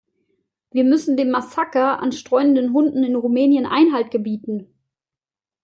Wir müssen dem Massaker an streunenden Hunden in Rumänien Einhalt gebieten.